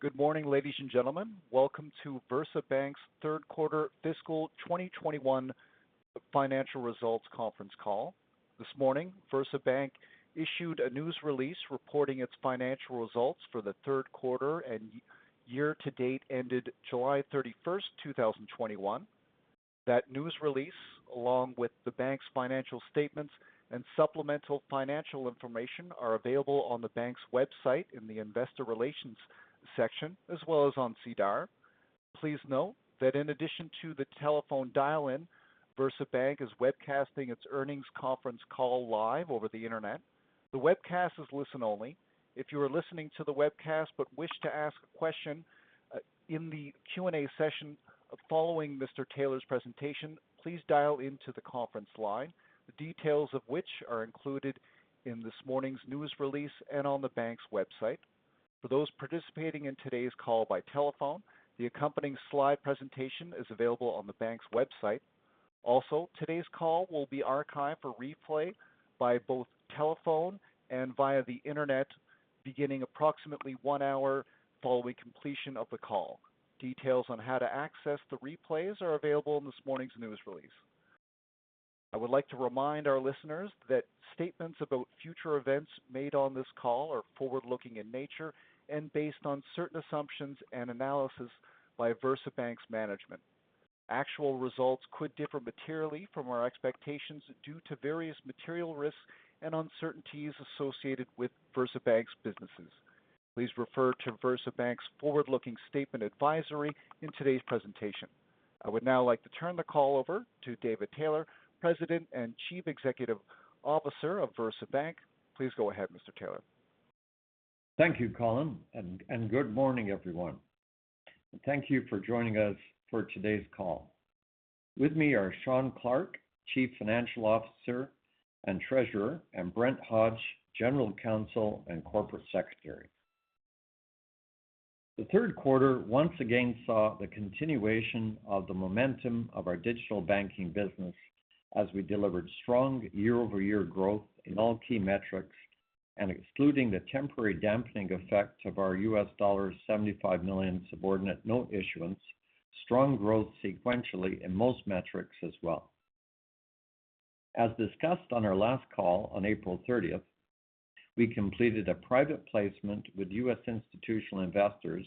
Good morning, ladies and gentlemen. Welcome to VersaBank's third quarter fiscal 2021 financial results conference call. This morning, VersaBank issued a news release reporting its financial results for the third quarter and year-to-date ended July 31st, 2021. That news release, along with the bank's financial statements and supplemental financial information are available on the bank's website in the investor relations section, as well as on SEDAR. Please note that in addition to the telephone dial-in, VersaBank is webcasting its earnings conference call live over the internet. The webcast is listen-only. If you are listening to the webcast but wish to ask a question in the Q&A session following Mr. Taylor's presentation, please dial into the conference line, the details of which are included in this morning's news release and on the bank's website. For those participating in today's call by telephone, the accompanying slide presentation is available on the bank's website. Today's call will be archived for replay by both telephone and via the internet beginning approximately one hour following completion of the call. Details on how to access the replays are available in this morning's news release. I would like to remind our listeners that statements about future events made on this call are forward-looking in nature and based on certain assumptions and analysis by VersaBank's management. Actual results could differ materially from our expectations due to various material risks and uncertainties associated with VersaBank's businesses. Please refer to VersaBank's forward-looking statement advisory in today's presentation. I would now like to turn the call over to David Taylor, President and Chief Executive Officer of VersaBank. Please go ahead, Mr. Taylor. Thank you, Colin. Good morning, everyone. Thank you for joining us for today's call. With me are Shawn Clarke, Chief Financial Officer and Treasurer, and Brent Hodge, General Counsel and Corporate Secretary. The third quarter once again saw the continuation of the momentum of our digital banking business as we delivered strong year-over-year growth in all key metrics, and excluding the temporary dampening effect of our $75 million subordinate note issuance, strong growth sequentially in most metrics as well. As discussed on our last call on April 30th, we completed a private placement with U.S. institutional investors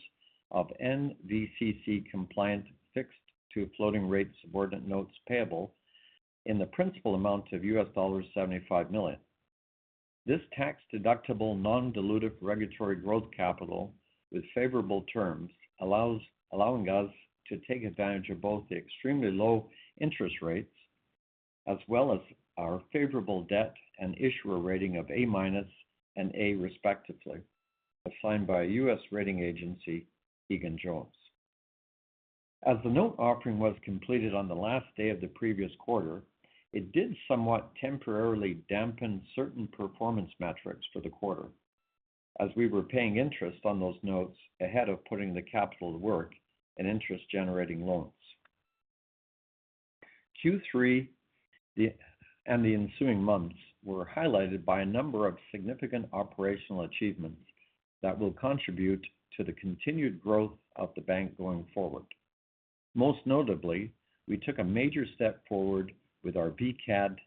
of NVCC-compliant fixed-to-floating-rate subordinate notes payable in the principal amount of $75 million. This tax-deductible, non-dilutive regulatory growth capital with favorable terms, allowing us to take advantage of both the extremely low interest rates as well as our favorable debt and issuer rating of A- and A, respectively, assigned by a U.S. rating agency, Egan-Jones. As the note offering was completed on the last day of the previous quarter, it did somewhat temporarily dampen certain performance metrics for the quarter, as we were paying interest on those notes ahead of putting the capital to work in interest-generating loans. Q3 and the ensuing months were highlighted by a number of significant operational achievements that will contribute to the continued growth of the bank going forward. Most notably, we took a major step forward with our VCAD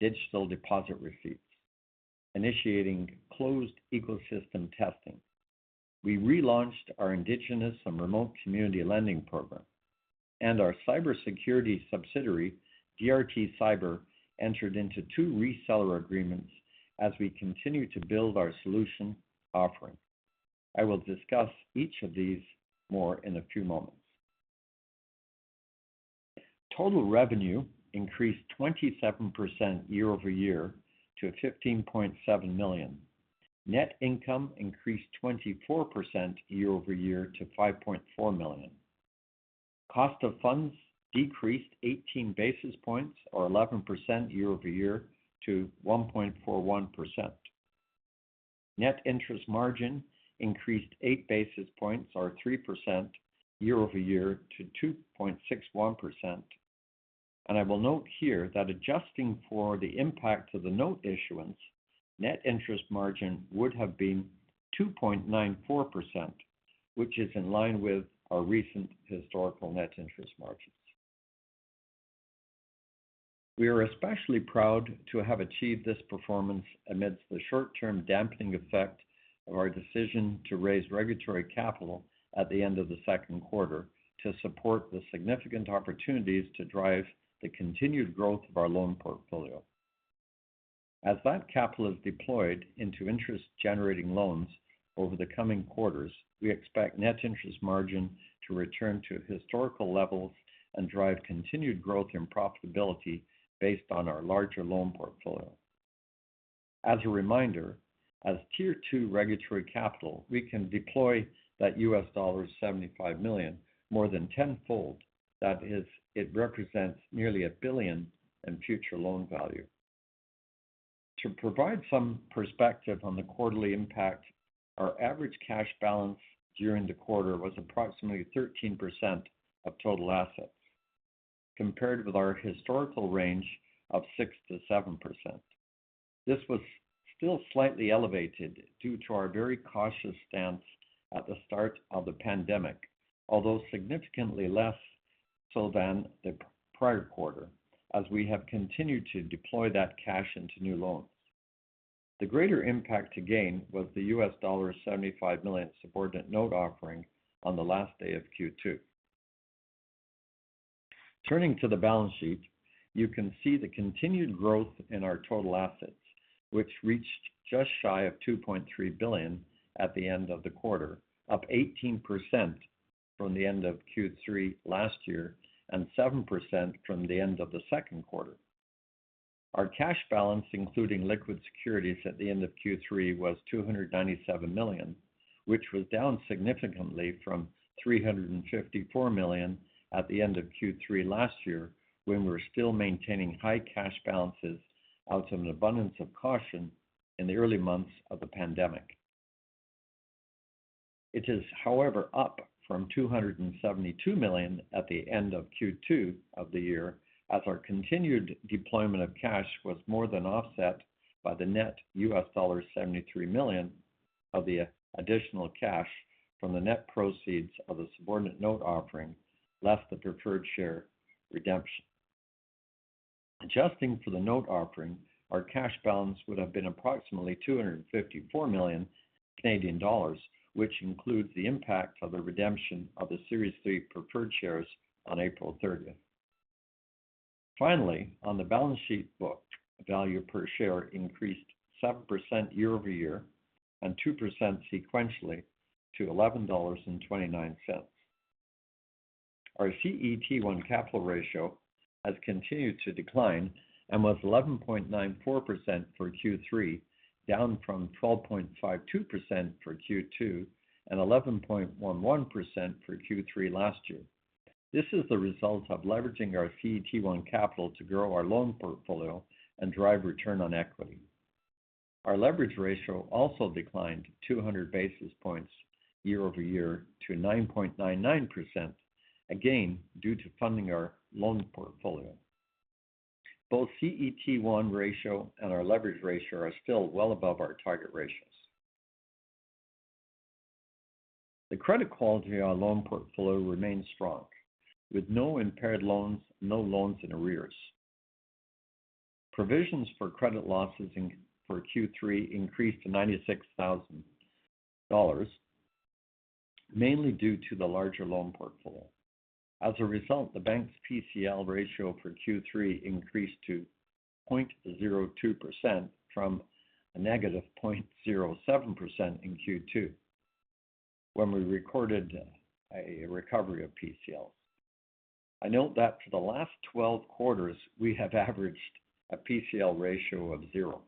digital deposit receipts, initiating closed ecosystem testing. We relaunched our Indigenous and Remote Community Lending Program, and our cybersecurity subsidiary, DRT Cyber, entered into two reseller agreements as we continue to build our solution offering. I will discuss each of these more in a few moments. Total revenue increased 27% year-over-year to 15.7 million. Net income increased 24% year-over-year to 5.4 million. Cost of funds decreased 18 basis points or 11% year-over-year to 1.41%. Net interest margin increased 8 basis points or 3% year-over-year to 2.61%. I will note here that adjusting for the impact of the note issuance, net interest margin would have been 2.94%, which is in line with our recent historical net interest margins. We are especially proud to have achieved this performance amidst the short-term dampening effect of our decision to raise regulatory capital at the end of the second quarter to support the significant opportunities to drive the continued growth of our loan portfolio. As that capital is deployed into interest-generating loans over the coming quarters, we expect net interest margin to return to historical levels and drive continued growth and profitability based on our larger loan portfolio. As a reminder, as Tier 2 regulatory capital, we can deploy that $75 million more than 10-fold. That is, it represents nearly 1 billion in future loan value. To provide some perspective on the quarterly impact, our average cash balance during the quarter was approximately 13% of total assets, compared with our historical range of 6%-7%. This was still slightly elevated due to our very cautious stance at the start of the pandemic, although significantly less so than the prior quarter, as we have continued to deploy that cash into new loans. The greater impact to gain was the $75 million subordinated note offering on the last day of Q2. Turning to the balance sheet, you can see the continued growth in our total assets, which reached just shy of 2.3 billion at the end of the quarter, up 18% from the end of Q3 last year, and 7% from the end of the second quarter. Our cash balance, including liquid securities at the end of Q3, was 297 million, which was down significantly from 354 million at the end of Q3 last year, when we were still maintaining high cash balances out of an abundance of caution in the early months of the pandemic. It is, however, up from 272 million at the end of Q2 of the year, as our continued deployment of cash was more than offset by the net $73 million of the additional cash from the net proceeds of the subordinated note offering, less the preferred share redemption. Adjusting for the note offering, our cash balance would have been approximately 254 million Canadian dollars, which includes the impact of the redemption of the Series 3 Preferred Shares on April 30th. Finally, on the balance sheet book value per share increased 7% year-over-year and 2% sequentially to 11.29 dollars. Our CET1 capital ratio has continued to decline and was 11.94% for Q3, down from 12.52% for Q2 and 11.11% for Q3 last year. This is the result of leveraging our CET1 capital to grow our loan portfolio and drive return on equity. Our leverage ratio also declined 200 basis points year-over-year to 9.99%, again due to funding our loan portfolio. Both CET1 ratio and our leverage ratio are still well above our target ratios. The credit quality of our loan portfolio remains strong, with no impaired loans, no loans in arrears. Provisions for credit losses for Q3 increased to 96,000 dollars, mainly due to the larger loan portfolio. The bank's PCL ratio for Q3 increased to 0.02% from a negative 0.07% in Q2 when we recorded a recovery of PCL. I note that for the last 12 quarters, we have averaged a PCL ratio of zero.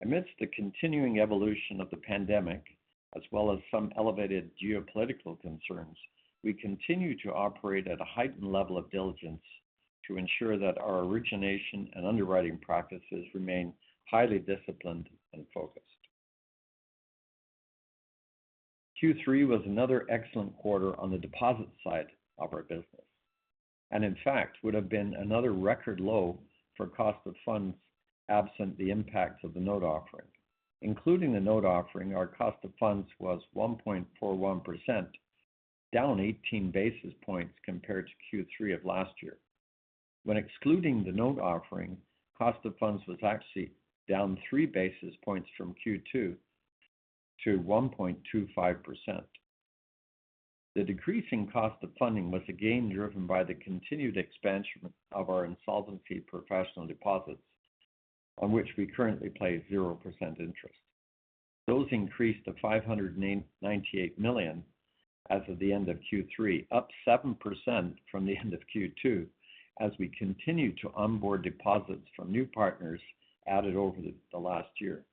Amidst the continuing evolution of the pandemic, as well as some elevated geopolitical concerns, we continue to operate at a heightened level of diligence to ensure that our origination and underwriting practices remain highly disciplined and focused. Q3 was another excellent quarter on the deposit side of our business, and in fact would have been another record low for cost of funds absent the impact of the note offering. Including the note offering, our cost of funds was 1.41%, down 18 basis points compared to Q3 of last year. When excluding the note offering, cost of funds was actually down 3 basis points from Q2 to 1.25%. The decrease in cost of funding was again driven by the continued expansion of our insolvency professional deposits, on which we currently pay 0% interest. Those increased to 598 million as of the end of Q3, up 7% from the end of Q2, as we continue to onboard deposits from new partners added over the last year.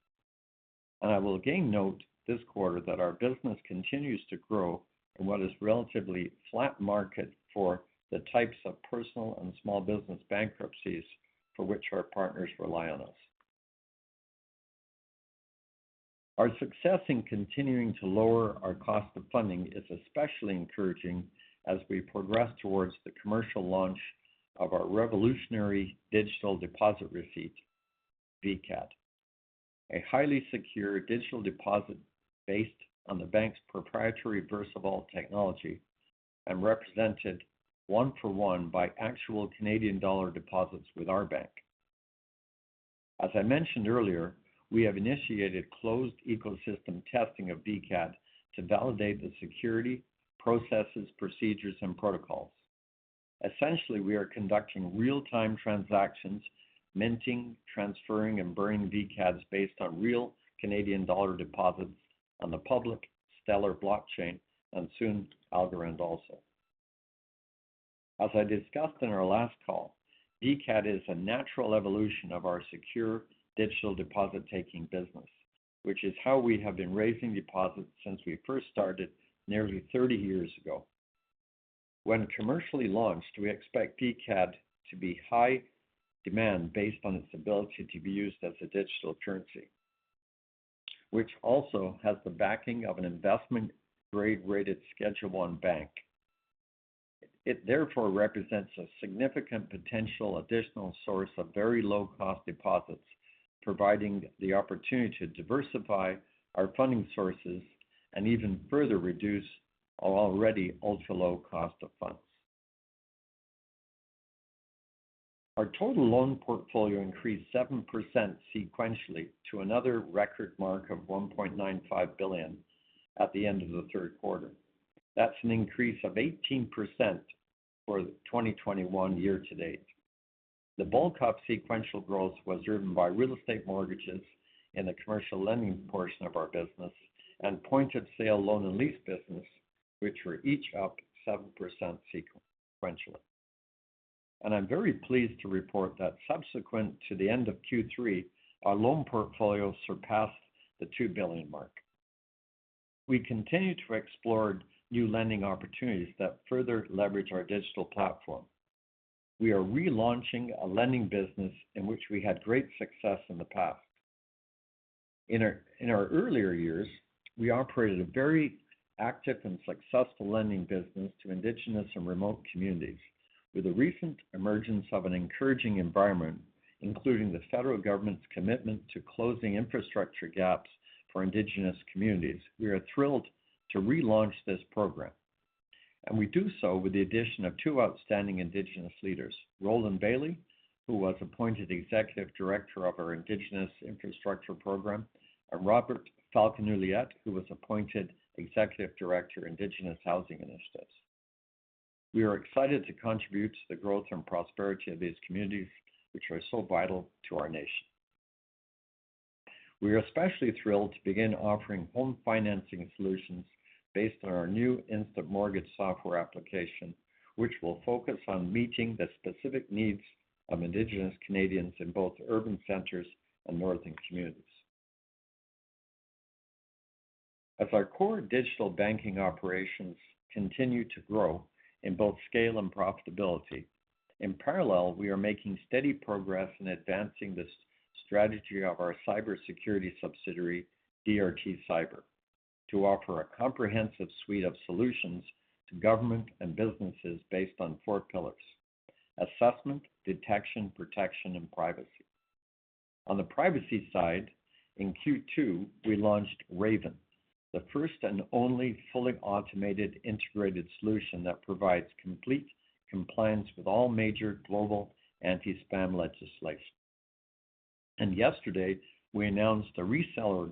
I will again note this quarter that our business continues to grow in what is a relatively flat market for the types of personal and small business bankruptcies for which our partners rely on us. Our success in continuing to lower our cost of funds is especially encouraging as we progress towards the commercial launch of our revolutionary digital deposit receipt, VCAD, a highly secure digital deposit based on the bank's proprietary VersaVault technology and represented one-for-one by actual Canadian dollar deposits with our bank. As I mentioned earlier, we have initiated closed ecosystem testing of VCAD to validate the security, processes, procedures, and protocols. Essentially, we are conducting real-time transactions, minting, transferring, and burning VCADs based on real Canadian dollar deposits on the public Stellar blockchain, and soon Algorand also. As I discussed in our last call, VCAD is a natural evolution of our secure digital deposit-taking business, which is how we have been raising deposits since we first started nearly 30 years ago. When commercially launched, we expect VCAD to be in high demand based on its ability to be used as a digital currency, which also has the backing of an investment-grade rated Schedule I bank. It therefore represents a significant potential additional source of very low-cost deposits, providing the opportunity to diversify our funding sources and even further reduce our already ultra-low cost of funds. Our total loan portfolio increased 7% sequentially to another record mark of 1.95 billion at the end of the third quarter. That's an increase of 18% for the 2021 year-to-date. The bulk of sequential growth was driven by real estate mortgages in the commercial lending portion of our business and point-of-sale loan and lease business, which were each up 7% sequentially. I'm very pleased to report that subsequent to the end of Q3, our loan portfolio surpassed the 2 billion mark. We continue to explore new lending opportunities that further leverage our digital platform. We are relaunching a lending business in which we had great success in the past. In our earlier years, we operated a very active and successful lending business to Indigenous and remote communities. With the recent emergence of an encouraging environment, including the federal government's commitment to closing infrastructure gaps for Indigenous communities, we are thrilled to relaunch this program. We do so with the addition of two outstanding Indigenous leaders, Roland Bailey, who was appointed Executive Director of our Indigenous Infrastructure Program, and Robert-Falcon Ouellette, who was appointed Executive Director, Indigenous Housing Initiatives. We are excited to contribute to the growth and prosperity of these communities, which are so vital to our nation. We are especially thrilled to begin offering home financing solutions based on our new instant mortgage software application, which will focus on meeting the specific needs of Indigenous Canadians in both urban centers and northern communities. As our core digital banking operations continue to grow in both scale and profitability, in parallel, we are making steady progress in advancing the strategy of our cybersecurity subsidiary, DRT Cyber, to offer a comprehensive suite of solutions to government and businesses based on four pillars: assessment, detection, protection, and privacy. On the privacy side, in Q2, we launched RAVEN, the first and only fully automated integrated solution that provides complete compliance with all major global anti-spam legislation. Yesterday, we announced a reseller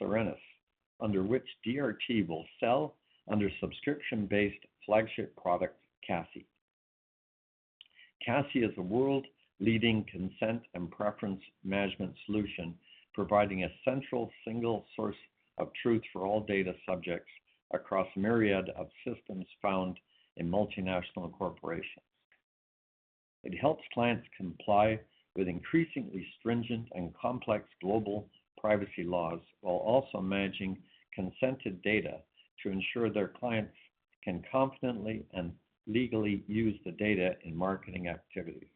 agreement with U.K.-based Syrenis, under which DRT will sell under subscription-based flagship product, Cassie. Cassie is a world-leading consent and preference management solution, providing a central single source of truth for all data subjects across myriad of systems found in multinational corporations. It helps clients comply with increasingly stringent and complex global privacy laws while also managing consented data to ensure their clients can confidently and legally use the data in marketing activities.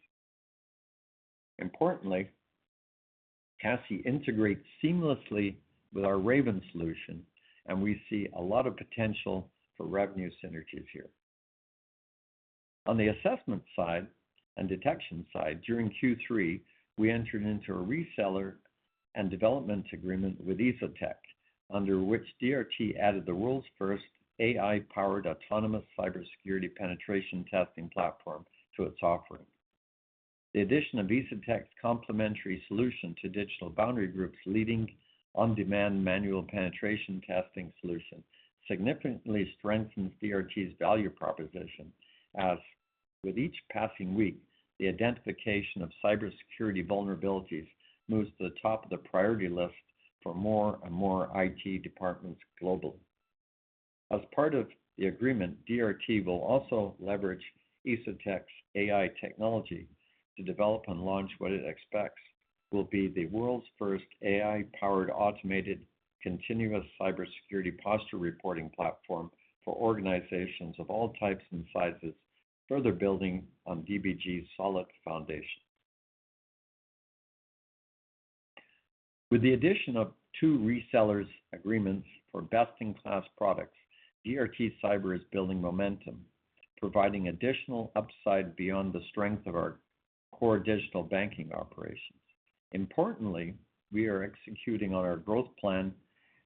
Importantly, Cassie integrates seamlessly with our RAVEN solution, and we see a lot of potential for revenue synergies here. On the assessment side and detection side, during Q3, we entered into a reseller and development agreement with EzoTech, under which DRT added the world's 1st AI-powered autonomous cybersecurity penetration testing platform to its offering. The addition of EzoTech's complementary solution to Digital Boundary Group's leading on-demand manual penetration testing solution significantly strengthens DRT's value proposition, as with each passing week, the identification of cybersecurity vulnerabilities moves to the top of the priority list for more and more IT departments globally. As part of the agreement, DRT will also leverage EzoTech's AI technology to develop and launch what it expects will be the world's first AI-powered automated continuous cybersecurity posture reporting platform for organizations of all types and sizes, further building on DBG's solid foundation. With the addition of two resellers agreements for best-in-class products, DRT Cyber is building momentum, providing additional upside beyond the strength of our core digital banking operations. Importantly, we are executing on our growth plan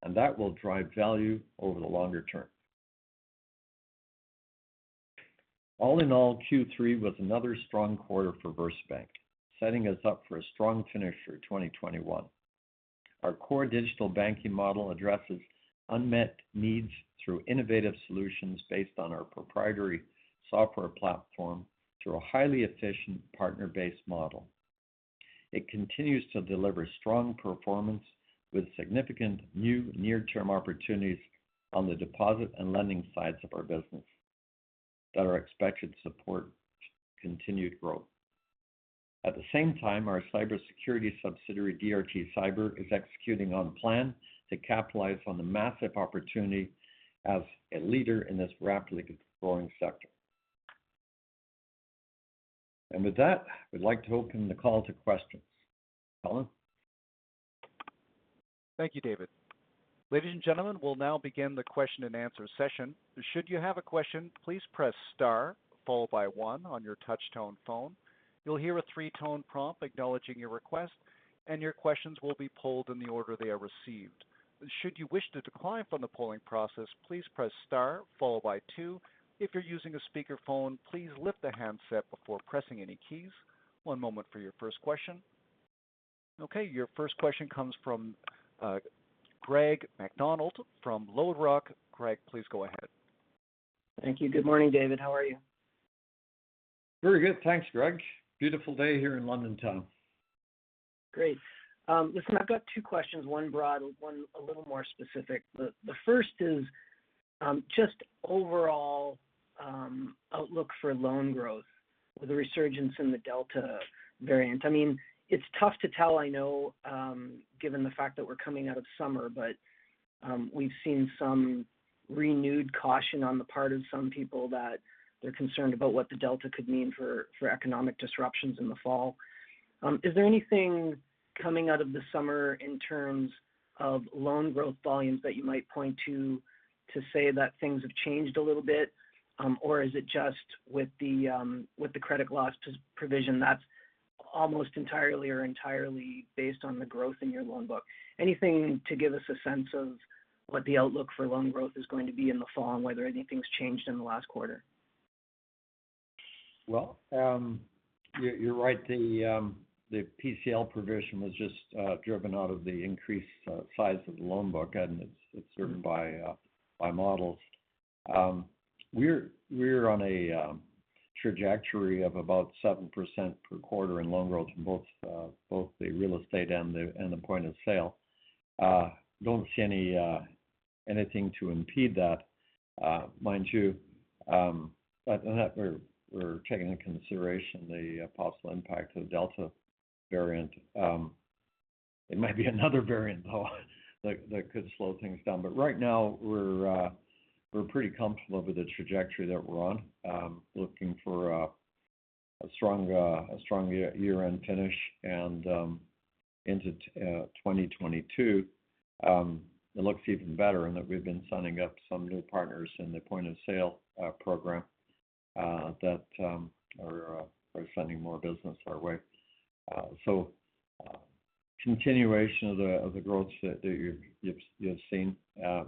and that will drive value over the longer term. All in all, Q3 was another strong quarter for VersaBank, setting us up for a strong finish for 2021. Our core digital banking model addresses unmet needs through innovative solutions based on our proprietary software platform through a highly efficient partner-based model. It continues to deliver strong performance with significant new near-term opportunities on the deposit and lending sides of our business that are expected to support continued growth. At the same time, our cybersecurity subsidiary, DRT Cyber, is executing on plan to capitalize on the massive opportunity as a leader in this rapidly growing sector. With that, we'd like to open the call to questions. Colin? Thank you, David. Ladies and gentlemen, we'll now begin the question-and-answer session. Should you have a question, please press star followed by one on your touch-tone phone. You'll hear a three-tone prompt acknowledging your request, and your questions will be polled in the order they are received. Should you wish to decline from the polling process, please press star followed by two. If you're using a speakerphone, please lift the handset before pressing any keys. One moment for your first question. Okay. Your first question comes from Greg MacDonald from LodeRock. Greg, please go ahead. Thank you. Good morning, David. How are you? Very good. Thanks, Greg. Beautiful day here in London town. Great. Listen, I've got two questions, one broad, one a little more specific. The first is just overall outlook for loan growth with a resurgence in the Delta variant. It's tough to tell, I know, given the fact that we're coming out of summer, but we've seen some renewed caution on the part of some people that they're concerned about what the Delta could mean for economic disruptions in the fall. Is there anything coming out of the summer in terms of loan growth volumes that you might point to say that things have changed a little bit? Or is it just with the credit loss provision that's almost entirely or entirely based on the growth in your loan book? Anything to give us a sense of what the outlook for loan growth is going to be in the fall and whether anything's changed in the last quarter? You're right. The PCL provision was just driven out of the increased size of the loan book, and it's driven by models. We're on a trajectory of about 7% per quarter in loan growth in both the real estate and the point of sale. Don't see anything to impede that. Mind you, we're taking into consideration the possible impact of the Delta variant. There might be another variant, though, that could slow things down. Right now, we're pretty comfortable with the trajectory that we're on. Looking for a strong year-end finish and into 2022. It looks even better in that we've been signing up some new partners in the point-of-sale program that are sending more business our way. Continuation of the growth that you've seen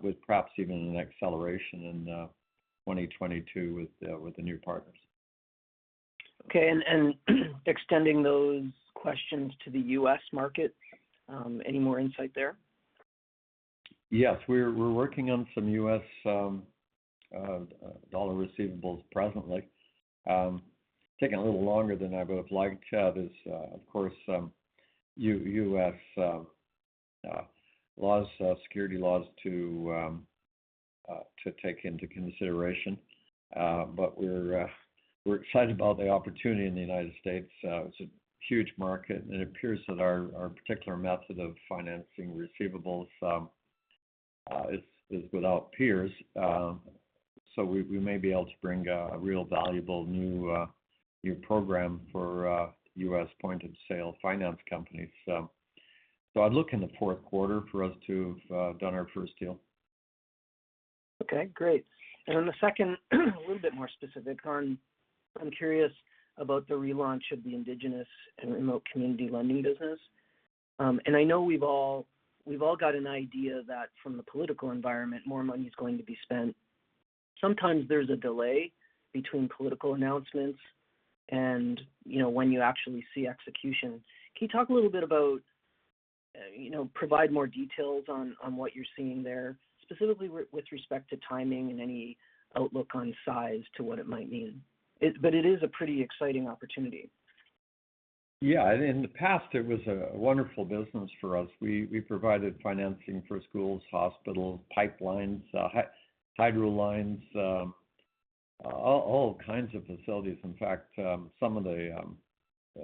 with perhaps even an acceleration in 2022 with the new partners. Okay. Extending those questions to the U.S. market, any more insight there? Yes. We're working on some U.S. dollar receivables presently. Taking a little longer than I would've liked. There's, of course, U.S. security laws to take into consideration. We're excited about the opportunity in the United States. It's a huge market, and it appears that our particular method of financing receivables is without peers. We may be able to bring a real valuable new program for U.S. point-of-sale finance companies. I'd look in the fourth quarter for us to have done our first deal. Okay, great. The second, a little bit more specific. I'm curious about the relaunch of the Indigenous and remote community lending business. I know we've all got an idea that from the political environment, more money's going to be spent. Sometimes there's a delay between political announcements and when you actually see execution. Can you provide more details on what you're seeing there, specifically with respect to timing and any outlook on size to what it might mean? It is a pretty exciting opportunity. Yeah. In the past, it was a wonderful business for us. We provided financing for schools, hospitals, pipelines hydro lines all kinds of facilities. In fact, some of the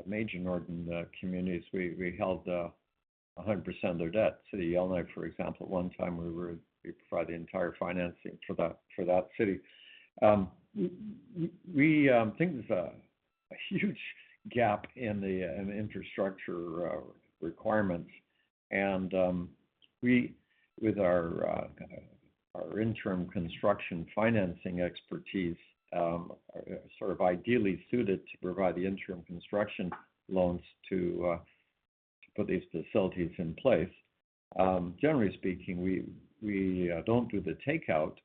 major northern communities, we held 100% of their debt. City of Yellowknife, for example. One time we provided the entire financing for that city. We think there's a huge gap in the infrastructure requirements. We, with our interim construction financing expertise are sort of ideally suited to provide the interim construction loans to put these facilities in place. Generally speaking, we don't do the takeout.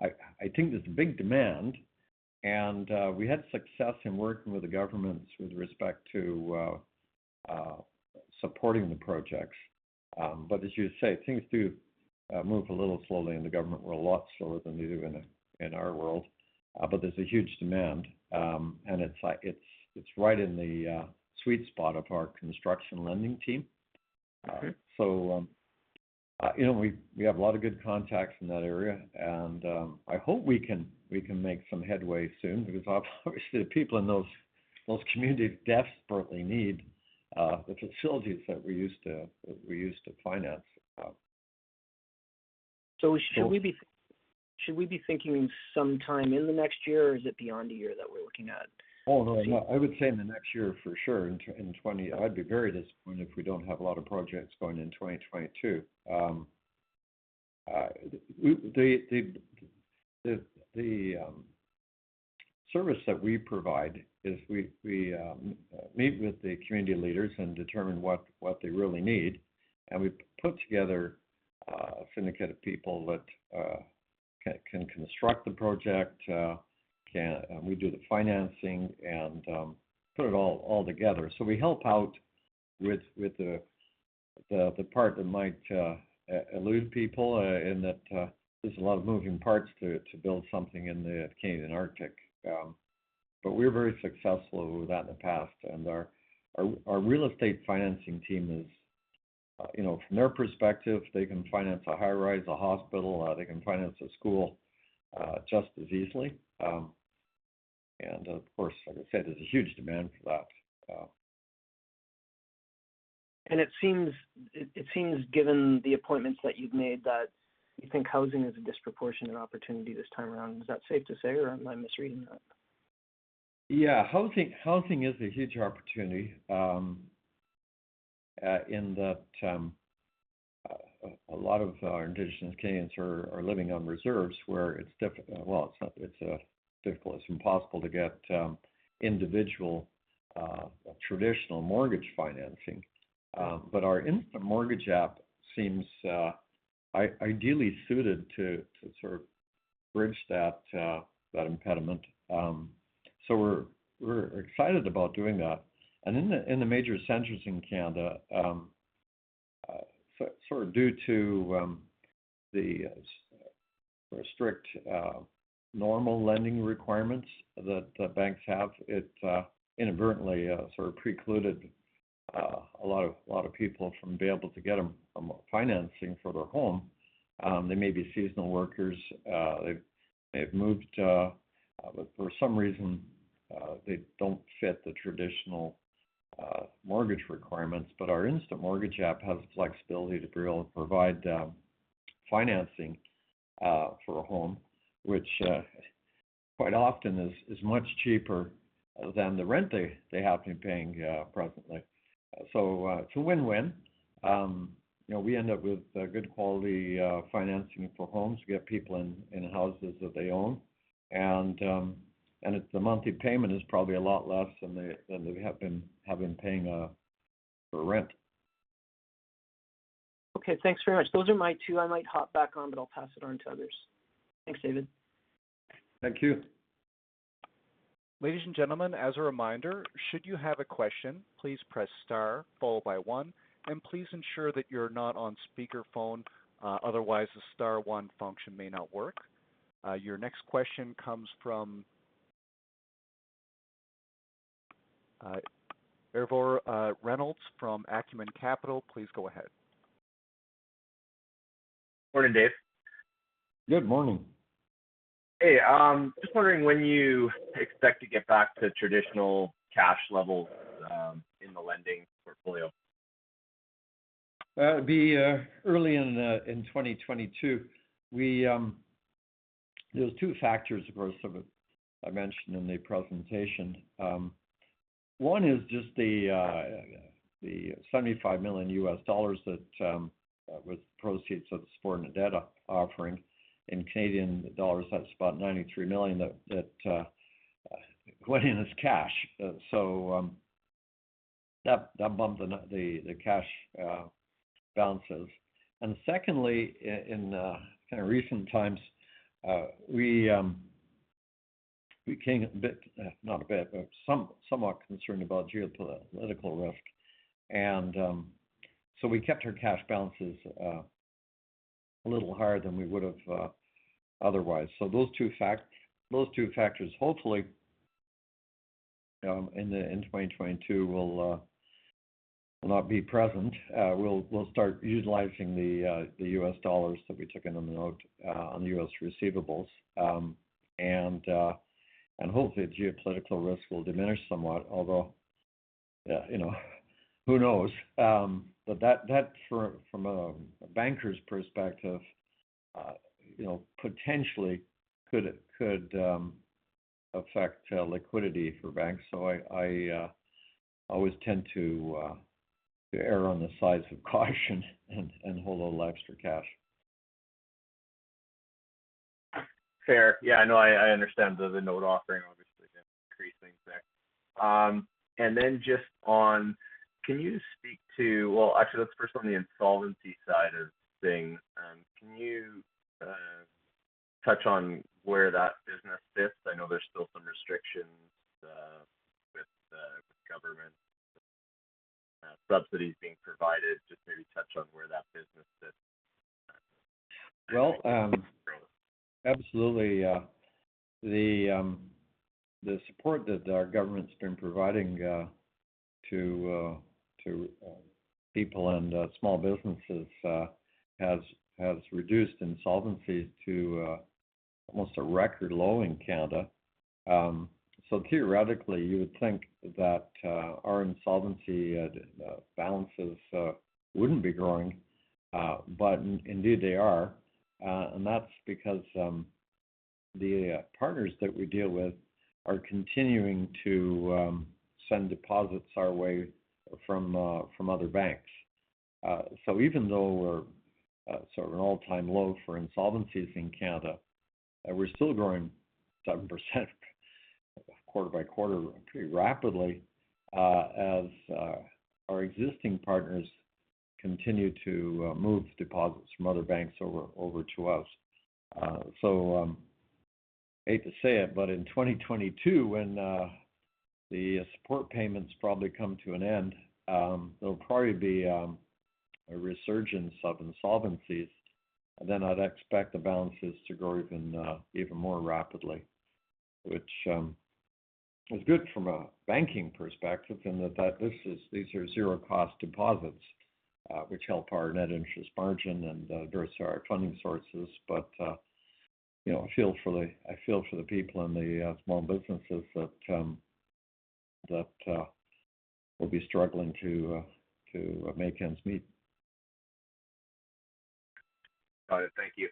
I think there's a big demand, and we had success in working with the governments with respect to supporting the projects. As you say, things do move a little slowly in the government, or a lot slower than they do in our world. There's a huge demand, and it's right in the sweet spot of our construction lending team. Okay. We have a lot of good contacts in that area, and I hope we can make some headway soon because obviously the people in those communities desperately need the facilities that we used to finance. Should we be thinking sometime in the next year, or is it beyond a year that we're looking at? Oh, no. I would say in the next year for sure. I'd be very disappointed if we don't have a lot of projects going in 2022. The service that we provide is we meet with the community leaders and determine what they really need, and we put together a syndicate of people that can construct the project. We do the financing and put it all together. We help out with the part that might elude people, in that there's a lot of moving parts to build something in the Canadian Arctic. We're very successful with that in the past, and our real estate financing team is, from their perspective, they can finance a high-rise, a hospital, they can finance a school, just as easily. Of course, like I said, there's a huge demand for that. It seems, given the appointments that you've made, that you think housing is a disproportionate opportunity this time around. Is that safe to say, or am I misreading that? Yeah. Housing is a huge opportunity, in that a lot of our Indigenous Canadians are living on reserves where it's difficult. Well, it's not difficult, it's impossible to get individual traditional mortgage financing. Our instant mortgage app seems ideally suited to sort of bridge that impediment. We're excited about doing that. In the major centers in Canada, sort of due to the strict normal lending requirements that banks have, it inadvertently sort of precluded a lot of people from being able to get financing for their home. They may be seasonal workers. They've moved, but for some reason, they don't fit the traditional mortgage requirements. Our instant mortgage app has the flexibility to be able to provide financing for a home, which quite often is much cheaper than the rent they have been paying presently. It's a win-win. We end up with good quality financing for homes to get people in houses that they own, and the monthly payment is probably a lot less than they have been paying for rent. Okay, thanks very much. Those are my two. I might hop back on, but I'll pass it on to others. Thanks, David. Thank you. Ladies and gentlemen, as a reminder, should you have a question, please press star followed by one, and please ensure that you're not on speakerphone. Otherwise, the star one function may not work. Your next question comes from Trevor Reynolds from Acumen Capital. Please go ahead. Morning, Dave. Good morning. Hey, just wondering when you expect to get back to traditional cash levels in the lending portfolio? That'd be early in 2022. There's two factors, of course, I mentioned in the presentation. One is just the $75 million that was the proceeds of the subordinated note offering. In Canadian dollars, that's about 93 million that went in as cash. That bumped the cash balances. Secondly, in kind of recent times, we became a bit, not a bit, but somewhat concerned about geopolitical risk. We kept our cash balances a little higher than we would've otherwise. Those two factors hopefully in 2022 will not be present. We'll start utilizing the U.S. dollars that we took in on the note on the U.S. receivables. Hopefully, geopolitical risk will diminish somewhat, although, who knows? That from a banker's perspective, potentially could affect liquidity for banks, so I always tend to err on the sides of caution and hold a little extra cash. Fair. Yeah, no, I understand the note offering obviously can increase things there. Just on, Well, actually, let's first on the insolvency side of things, can you touch on where that business sits? I know there's still some restrictions with government subsidies being provided. Just maybe touch on where that business sits. Well, absolutely. The support that our government's been providing to people and small businesses has reduced insolvency to almost a record low in Canada. Theoretically, you would think that our insolvency balances wouldn't be growing. Indeed, they are. That's because the partners that we deal with are continuing to send deposits our way from other banks. Even though we're at an all-time low for insolvencies in Canada, we're still growing 7% quarter-by-quarter, pretty rapidly as our existing partners continue to move deposits from other banks over to us. Hate to say it, but in 2022, when the support payments probably come to an end, there'll probably be a resurgence of insolvencies, and then I'd expect the balances to grow even more rapidly. Which is good from a banking perspective in that these are zero-cost deposits, which help our net interest margin and diversify our funding sources. I feel for the people and the small businesses that will be struggling to make ends meet. Got it. Thank you.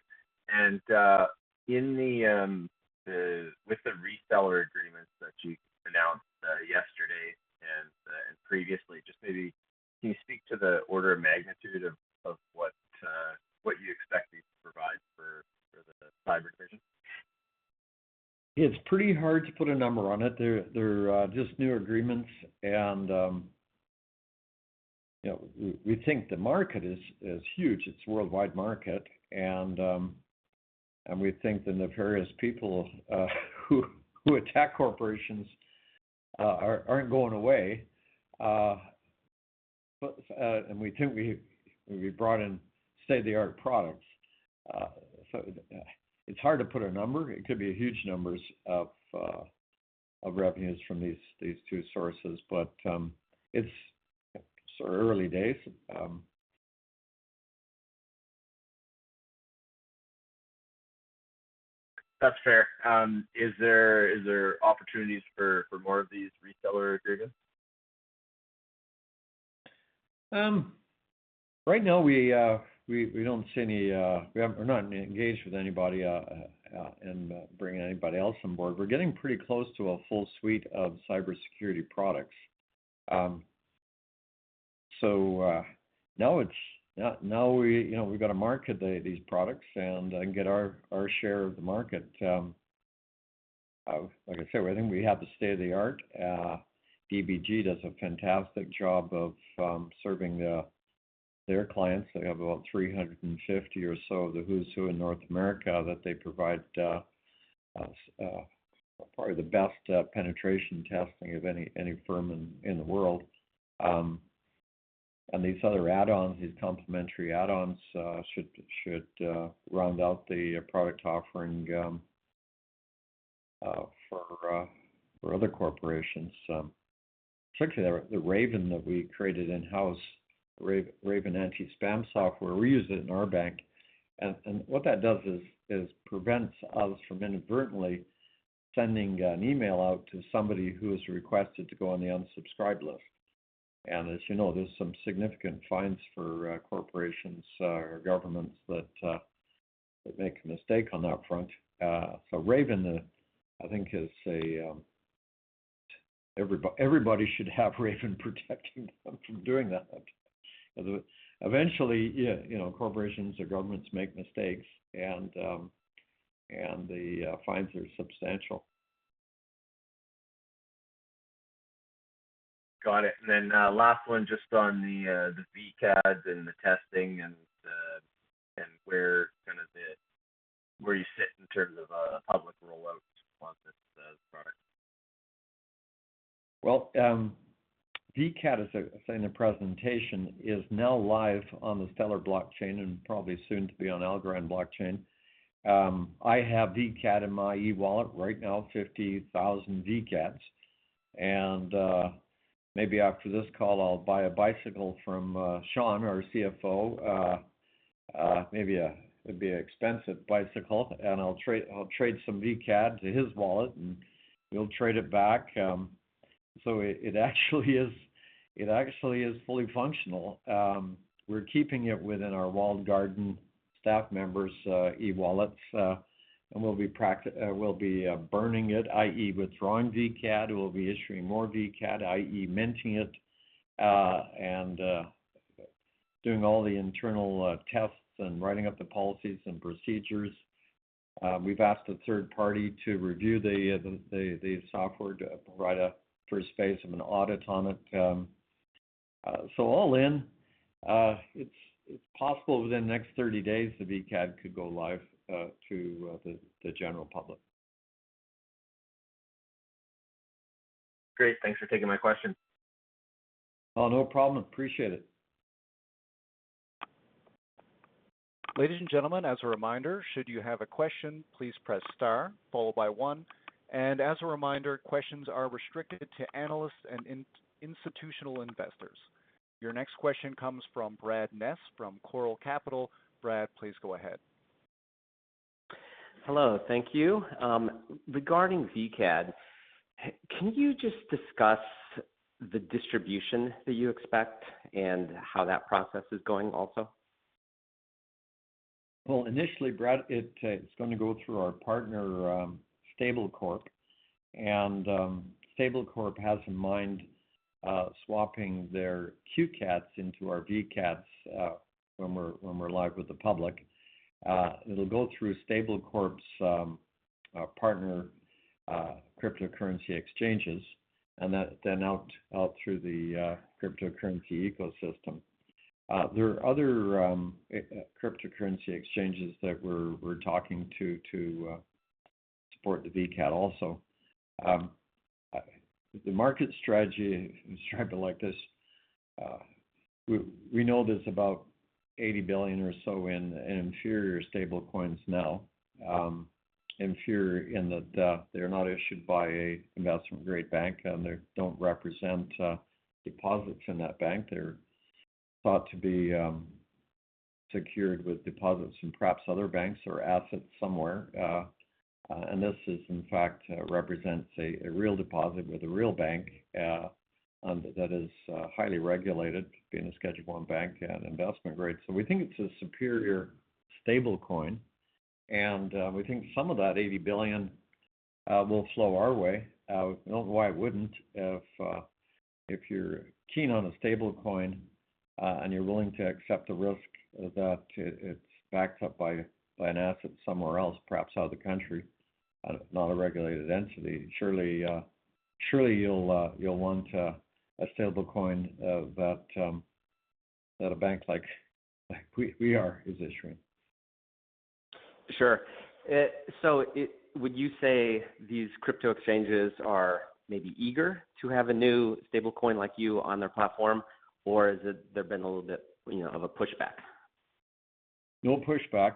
With the reseller agreements that you announced yesterday and previously, just maybe can you speak to the order of magnitude of what you expect these to provide for the cyber division? It's pretty hard to put a number on it. They're just new agreements and we think the market is huge. It's a worldwide market, and we think that the various people who attack corporations aren't going away. We think we brought in state-of-the-art products. It's hard to put a number. It could be huge numbers of revenues from these two sources, but it's early days. That's fair. Is there opportunities for more of these reseller agreements? Right now, we're not engaged with anybody in bringing anybody else on board. We're getting pretty close to a full suite of cybersecurity products. Now we've got to market these products and get our share of the market. Like I say, I think we have the state of the art. Digital Boundary Group does a fantastic job of serving their clients. They have about 350 or so of the who's who in North America that they provide probably the best penetration testing of any firm in the world. These other add-ons, these complementary add-ons should round out the product offering for other corporations. Particularly the RAVEN that we created in-house, RAVEN anti-spam software. We use it in our bank, and what that does is prevents us from inadvertently sending an email out to somebody who has requested to go on the unsubscribe list. As you know, there's some significant fines for corporations or governments that make a mistake on that front. RAVEN, I think everybody should have RAVEN protecting them from doing that. Eventually, corporations or governments make mistakes, and the fines are substantial. Got it. Last one just on the VCADs and the testing and where you sit in terms of a public rollout as it relates to those products. Well, VCAD, as I say in the presentation, is now live on the Stellar blockchain and probably soon to be on Algorand blockchain. I have VCAD in my e-wallet right now, 50,000 VCADs. Maybe after this call, I'll buy a bicycle from Shawn, our CFO. Maybe it'd be an expensive bicycle, and I'll trade some VCAD to his wallet, and he'll trade it back. It actually is fully functional. We're keeping it within our walled garden staff members' e-wallets. We'll be burning it, i.e., withdrawing VCAD. We'll be issuing more VCAD, i.e., minting it, and doing all the internal tests and writing up the policies and procedures. We've asked a third party to review the software to provide a first phase of an audit on it. All in, it's possible within the next 30 days the VCAD could go live to the general public. Great. Thanks for taking my question. No problem. Appreciate it. Ladies and gentlemen, as a reminder, should you have a question, please press star followed by one. As a reminder, questions are restricted to analysts and institutional investors. Your next question comes from Brad Ness from Choral Capital. Brad, please go ahead. Hello. Thank you. Regarding VCAD, can you just discuss the distribution that you expect and how that process is going also? Well, initially, Brad, it's going to go through our partner, Stablecorp. Stablecorp has in mind swapping their QCADs into our VCADs when we're live with the public. It'll go through Stablecorp's partner cryptocurrency exchanges, then out through the cryptocurrency ecosystem. There are other cryptocurrency exchanges that we're talking to support the VCAD also. The market strategy is trying to like this. We know there's about 80 billion or so in inferior stablecoins now. Inferior in that they're not issued by a investment-grade bank, they don't represent deposits in that bank. They're thought to be secured with deposits in perhaps other banks or assets somewhere. This is in fact represents a real deposit with a real bank that is highly regulated being a Schedule I bank and investment-grade. We think it's a superior stablecoin, and we think some of that 80 billion will flow our way. I don't know why it wouldn't if you're keen on a stablecoin, and you're willing to accept the risk that it's backed up by an asset somewhere else, perhaps out of the country, not a regulated entity. Surely you'll want a stablecoin that a bank like we are is issuing. Sure. Would you say these crypto exchanges are maybe eager to have a new stablecoin like you on their platform, or has there been a little bit of a pushback? No pushback.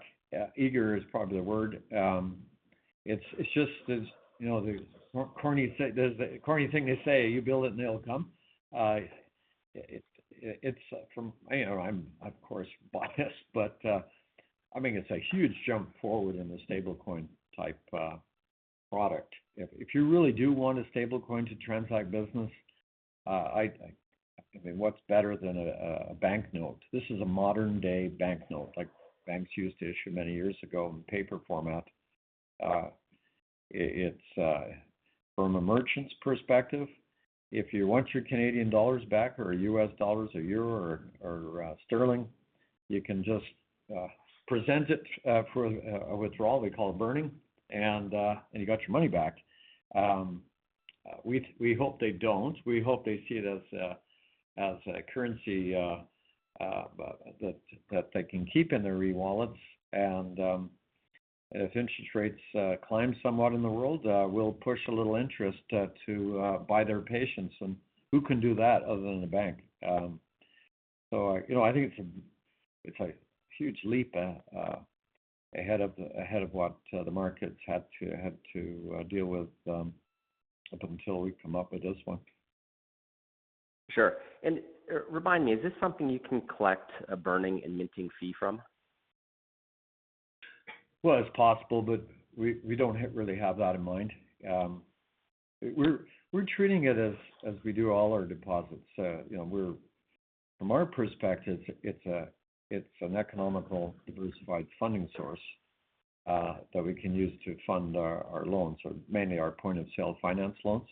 Eager is probably the word. It's just there's the corny thing they say, you build it and they'll come. I'm of course biased, but I think it's a huge jump forward in the stablecoin-type product. If you really do want a stablecoin to transact business, I mean, what's better than a banknote? This is a modern-day banknote, like banks used to issue many years ago in paper format. From a merchant's perspective, if you want your Canadian dollars back or US dollars or euro or sterling, you can just present it for a withdrawal, they call it burning, and you got your money back. We hope they don't. We hope they see it as a currency that they can keep in their e-wallets. If interest rates climb somewhat in the world, we'll push a little interest to buy their patience. Who can do that other than a bank? I think it's a huge leap ahead of what the markets had to deal with up until we come up with this one. Sure. Remind me, is this something you can collect a burning and minting fee from? It's possible, but we don't really have that in mind. We're treating it as we do all our deposits. From our perspective, it's an economical, diversified funding source that we can use to fund our loans or mainly our point-of-sale finance loans.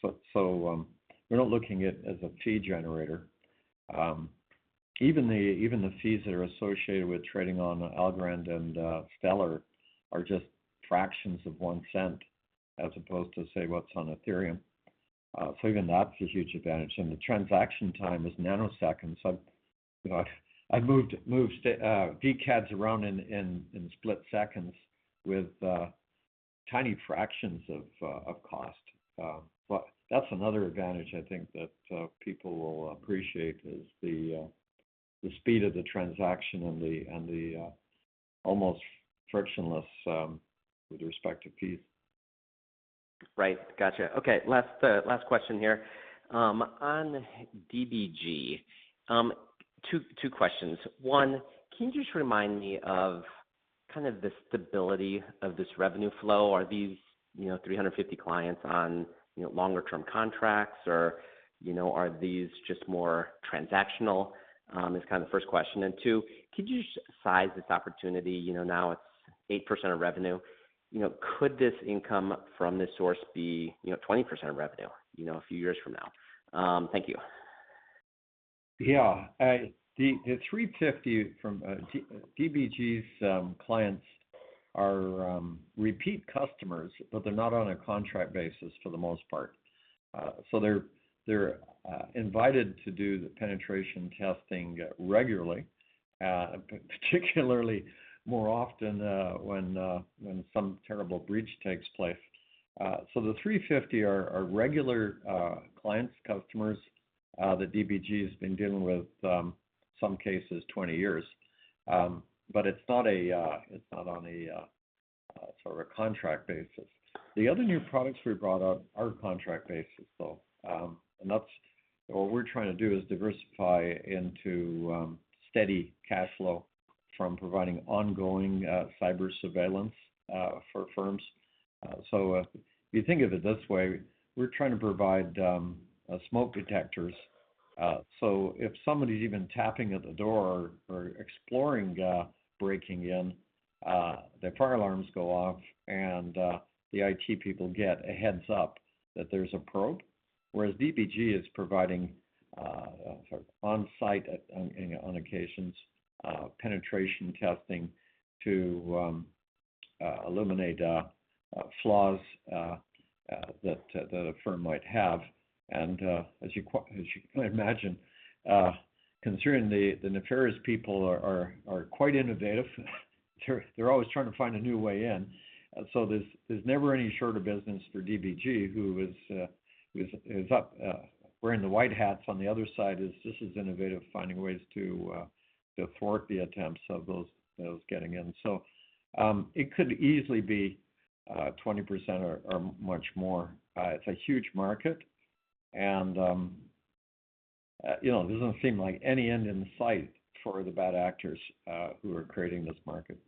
We're not looking at it as a fee generator. Even the fees that are associated with trading on Algorand and Stellar are just fractions of 0.01 as opposed to, say, what's on Ethereum. Even that's a huge advantage. The transaction time is nanoseconds. I've moved VCADs around in split seconds with tiny fractions of cost. That's another advantage I think that people will appreciate is the speed of the transaction and the almost frictionless with respect to fees. Right. Got you. Okay, last question here. On DBG two questions. One, can you just remind me of kind of the stability of this revenue flow? Are these 350 clients on longer term contracts or are these just more transactional? Is kind of the first question. Two, could you size this opportunity? Now it's 8% of revenue. Could this income from this source be 20% of revenue a few years from now? Thank you. Yeah. The 350 from DBG's clients are repeat customers, but they're not on a contract basis for the most part. They're invited to do the penetration testing regularly particularly more often when some terrible breach takes place. The 350 are regular clients, customers that DBG has been dealing with some cases 20 years. It's not on a contract basis. The other new products we brought on are contract basis, though. What we're trying to do is diversify into steady cash flow from providing ongoing cyber surveillance for firms. If you think of it this way, we're trying to provide smoke detectors. If somebody's even tapping at the door or exploring breaking in, their fire alarms go off, and the IT people get a heads up that there's a probe. Whereas DBG is providing on-site, on occasions, penetration testing to eliminate flaws that a firm might have. As you can imagine, considering the nefarious people are quite innovative, they're always trying to find a new way in. There's never any shortage of business for DBG, who is wearing the white hats on the other side, is just as innovative in finding ways to thwart the attempts of those getting in. It could easily be 20% or much more. It's a huge market, and it doesn't seem like any end in sight for the bad actors who are creating this market.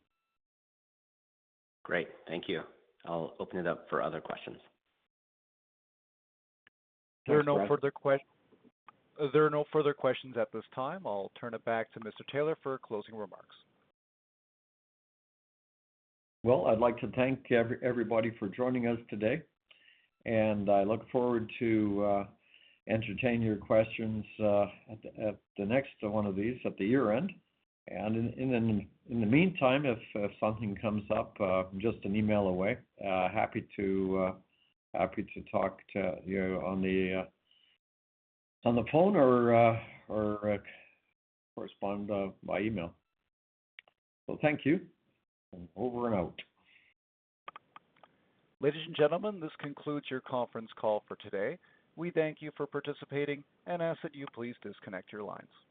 Great. Thank you. I'll open it up for other questions. There are no further questions at this time. I'll turn it back to Mr. Taylor for closing remarks. Well, I'd like to thank everybody for joining us today, and I look forward to entertain your questions at the next one of these at the year-end. In the meantime, if something comes up, I'm just an email away. Happy to talk to you on the phone or correspond by email. Thank you, and over and out. Ladies and gentlemen, this concludes your conference call for today. We thank you for participating and ask that you please disconnect your lines.